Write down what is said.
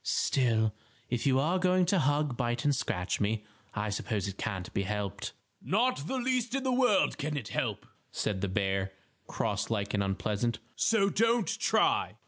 "Still, if you are going to hug, bite and scratch me, I suppose it can't be helped." "Not the least in the world can it be helped," said the bear, cross like and unpleasant. "So don't try!"